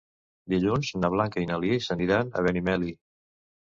Dilluns na Blanca i na Lis aniran a Benimeli.